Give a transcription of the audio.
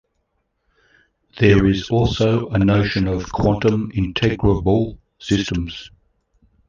There is also a notion of quantum integrable systems.